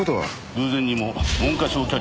偶然にも文科省キャリア